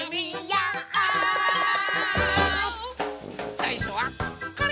さいしょはこれ。